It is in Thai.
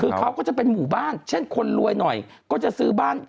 คือเขาก็จะเป็นหมู่บ้านเช่นคนรวยหน่อยก็จะซื้อบ้าน